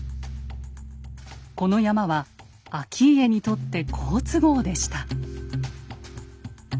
この山は顕家にとって好都合でした。